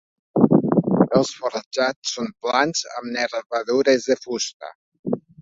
Els forjats són plans amb nervadures de fusta.